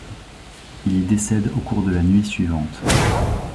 Il y décède au cours de la nuit suivante.